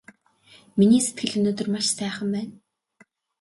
Миний сэтгэл өнөөдөр маш сайхан байна!